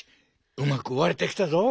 うまくわれてきたぞ。